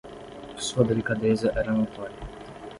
Sua delicadeza era notória